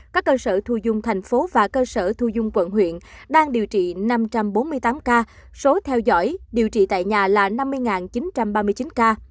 các cơ sở thu dung thành phố và cơ sở thu dung quận huyện đang điều trị năm trăm bốn mươi tám ca số theo dõi điều trị tại nhà là năm mươi chín trăm ba mươi chín ca